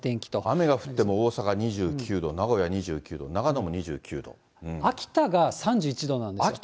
雨が降っても、大阪２９度、名古屋２９度、秋田が３１度なんですよ。